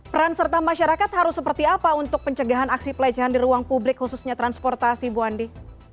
peran serta masyarakat harus seperti apa untuk pencegahan aksi pelecehan di ruang publik khususnya transportasi bu andi